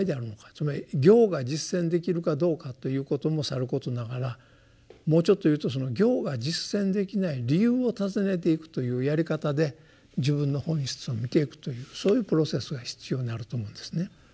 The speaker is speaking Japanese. つまり行が実践できるかどうかということもさることながらもうちょっと言うと行が実践できない理由を尋ねていくというやり方で自分の本質を見ていくというそういうプロセスが必要になると思うんですね。